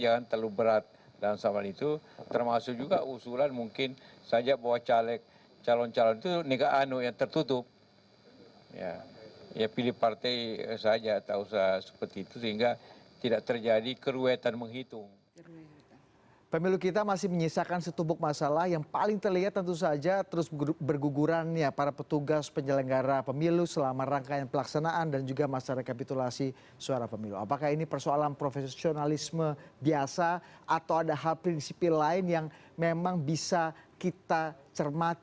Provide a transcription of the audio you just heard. ketua tps sembilan desa gondorio ini diduga meninggal akibat penghitungan suara selama dua hari lamanya